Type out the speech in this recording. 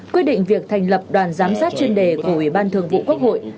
quyết định việc thành lập đoàn giám sát chuyên đề của ủy ban thường vụ quốc hội